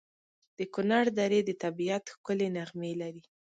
د کنړ درې د طبیعت ښکلي نغمې لري.